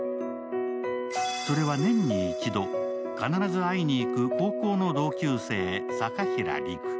それは年に１度必ず会いに行く高校の同級生、坂平陸。